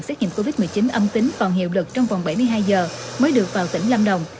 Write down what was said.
xét nghiệm covid một mươi chín âm tính còn hiệu lực trong vòng bảy mươi hai giờ mới được vào tỉnh lâm đồng